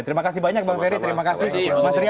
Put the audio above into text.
terima kasih banyak bang ferry